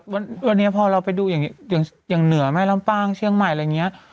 วันนี้พอเราไปดูอย่างเหนือแม่ลำปางเชียงใหม่อะไรอย่างนี้